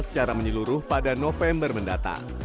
secara menyeluruh pada november mendatang